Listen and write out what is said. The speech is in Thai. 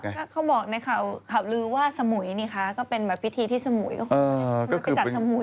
เขาบอกในข่าวขาบลือว่าสมุยนี่คะก็เป็นประพิธีที่สมุย